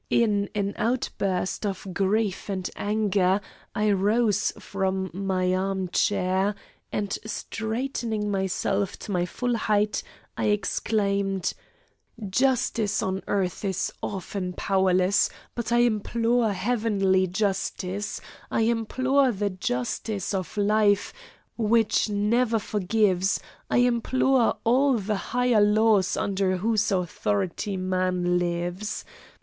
In an outburst of grief and anger I rose from my armchair, and straightening myself to my full height, I exclaimed: "Justice on earth is often powerless, but I implore heavenly justice, I implore the justice of life which never forgives, I implore all the higher laws under whose authority man lives.